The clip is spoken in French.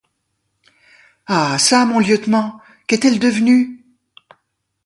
Ah ça! mon lieutenant, qu’est-elle devenue?